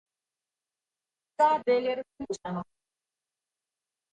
Ta del je resničen.